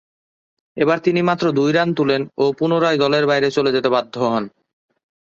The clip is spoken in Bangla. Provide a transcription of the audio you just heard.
এবার তিনি মাত্র দুই রান তুলেন ও পুনরায় দলের বাইরে চলে যেতে বাধ্য হন।